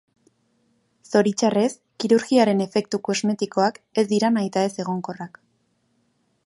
Zoritxarrez, kirurgiaren efektu kosmetikoak ez dira nahitaez egonkorrak.